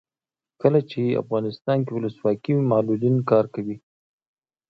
کله چې افغانستان کې ولسواکي وي معلولین کار کوي.